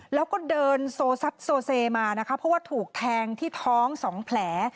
แล้วก็เดินโซซัดโซเซมานะคะเพราะว่าถูกแทงที่ท้อง๒แผล